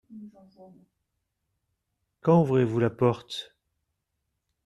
Quand ouvrez-vous la porte ?